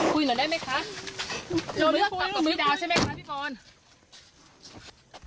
คุยหน่อยได้ไหมคะเราเลือกกับกับพี่ดาวใช่ไหมครับพี่ปรอน